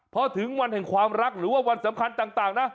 พอถึงวันแห่งความรักหรือว่าวันสำคัญต่างนะ